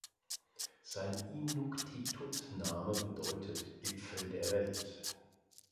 Sein Inuktitut-Name bedeutet „Gipfel der Welt“.